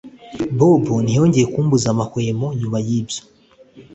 Bobo ntiyongeye kumbuza amahwemo nyuma yibyo